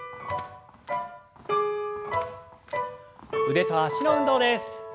腕と脚の運動です。